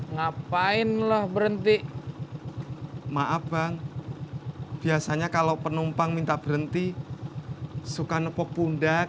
ngapain lah berhenti maaf bang biasanya kalau penumpang minta berhenti suka nepok pundak